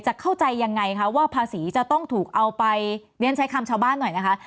เข้าใจยังไงคะว่าภาษีจะต้องถูกเอาไปเรียนใช้คำชาวบ้านหน่อยนะคะ